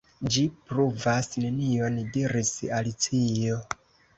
"Ĝi pruvas nenion," diris Alicio.